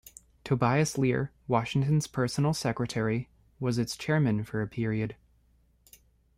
Tobias Lear, Washington's personal secretary, was its chairman for a period.